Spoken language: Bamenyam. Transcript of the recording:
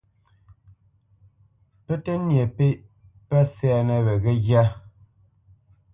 Pə́ tə́ nyê pêʼ pə́ sɛ́nə wé ghə́ghyá.